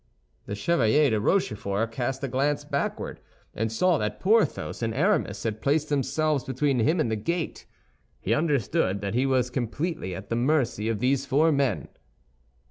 The Chevalier de Rochefort cast a glance backward, and saw that Porthos and Aramis had placed themselves between him and the gate; he understood that he was completely at the mercy of these four men.